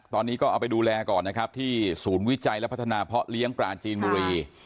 ตอนนี้ก็เอาไปดูแลก่อนนะครับที่ศูนย์วิจัยและพัฒนาเพาะเลี้ยงปลาจีนบุรี